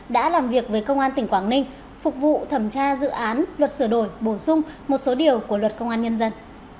đã làm việc với công an tỉnh quảng ninh phục vụ thẩm tra dự án luật sửa đổi bổ sung một số điều của luật công an nhân dân